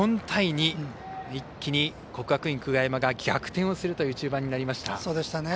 ４対２、一気に国学院久我山が逆転をするという中盤になりました。